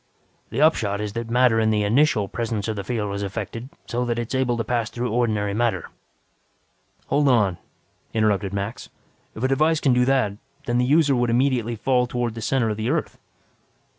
"The upshot is that matter in the initial presence of the field is affected so that it is able to pass through ordinary matter " "Hold on," interrupted Max. "If a device can do that, then the user would immediately fall towards the center of the Earth."